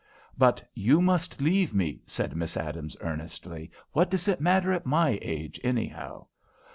"But you must leave me," said Miss Adams, earnestly. "What does it matter at my age, anyhow?"